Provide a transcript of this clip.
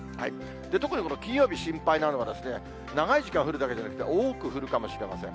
特にこの金曜日、心配なのが、長い時間降るだけじゃなくて、多く降るかもしれません。